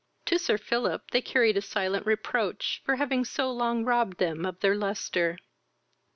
To Sir Philip they carried a silent reproach for having so long robbed them of their lustre.